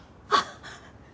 あっ。